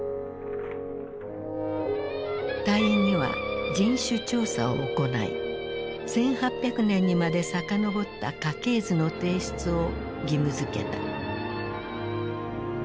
隊員には人種調査を行い１８００年にまで遡った家系図の提出を義務づけた。